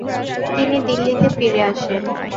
তিনি দিল্লিতে ফিরে আসেন।